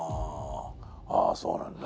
ああそうなんだ。